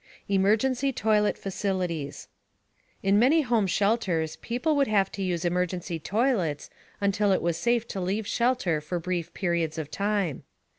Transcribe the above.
EMERGENCY TOILET FACILITIES In many home shelters, people would have to use emergency toilets until it was safe to leave shelter for brief periods of time.